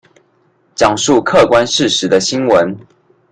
講述客觀事實的新聞